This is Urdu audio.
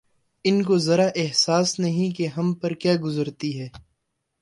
ان کو ذرا سا احساس نہیں کہ ہم پر کیا گزرتی ہے